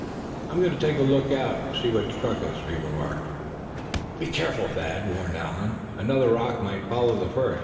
"I'm going to take a look out, and see what struck us," he remarked. "Be careful, Thad," warned Allan; "another rock might follow the first."